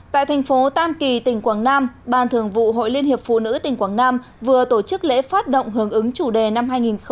tại thành phố tam kỳ tỉnh quảng nam ban thường vụ hội liên hiệp phụ nữ tỉnh quảng nam vừa tổ chức lễ phát động hướng ứng chủ đề năm hai nghìn một mươi chín